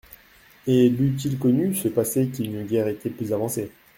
Et l'eût-il connu, ce passé, qu'il n'eût guère été plus avancé.